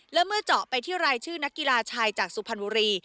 และเมื่อเจาะไปที่รายชื่อนักกีฬาชายจากสุพรรณบุรี